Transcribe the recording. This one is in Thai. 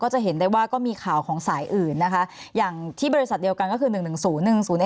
จะเห็นได้ว่าก็มีข่าวของสายอื่นนะคะอย่างที่บริษัทเดียวกันก็คือ๑๑๐๑๐๑